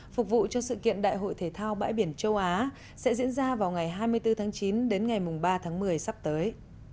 phục vụ cho sự kiện đại hội thể thao bãi biển châu á sẽ diễn ra vào ngày hai mươi bốn tháng chín đến ngày ba tháng một mươi sắp tới